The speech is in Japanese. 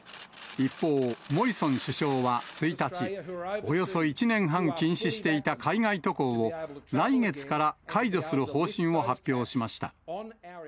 一方、モリソン首相は１日、およそ１年半禁止していた海外渡航を、来月から解除する方針を発表しました。